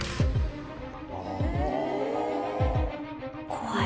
怖い。